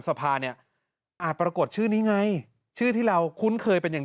สภาเนี่ยอาจปรากฏชื่อนี้ไงชื่อที่เราคุ้นเคยเป็นอย่าง